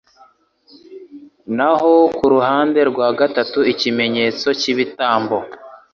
naho kuruhande rwa gatatu ikimenyetso cyibitambo